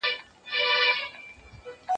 زه به د يادښتونه بشپړ کړي وي!؟